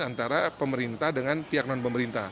antara pemerintah dengan pihak non pemerintah